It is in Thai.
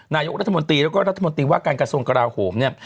นายกรัฐมนตรีแล้วก็รัฐมนตรีว่าการกระทรวงกราโหมเนี่ย